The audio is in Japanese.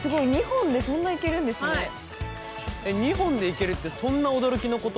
すごい２本でいけるってそんな驚きのこと？